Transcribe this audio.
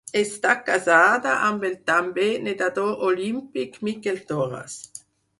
Està casada amb el també nedador olímpic Miquel Torres.